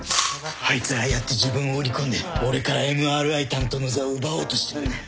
あいつああやって自分を売り込んで俺からＭＲＩ担当の座を奪おうとしてるんだ。